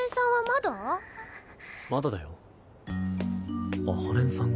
まだだよ。